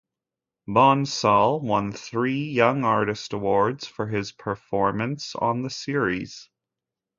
Bonsall won three Young Artist Awards for his performance on the series.